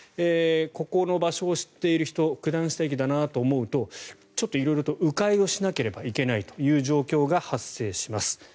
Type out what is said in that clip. ここの場所を知っている人九段下駅だなと思うとちょっと色々と迂回をしなければいけないという状況が発生します。